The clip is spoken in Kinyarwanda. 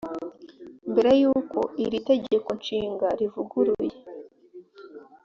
mbere y uko iri tegeko nshinga rivuguruye